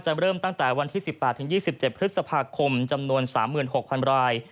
เริ่มตั้งแต่วันที่๑๘๒๗พฤษภาคมจำนวน๓๖๐๐๐ราย